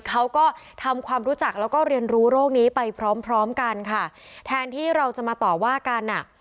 เขาก็ทำความรู้จักแล้วก็เรียนรู้โรคนี้ไปพร้อมพร้อมกันค่ะแทนที่เราจะมาต่อว่ากันอ่ะ